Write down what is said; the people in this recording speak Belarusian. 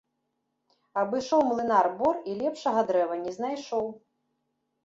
Абышоў млынар бор і лепшага дрэва не знайшоў.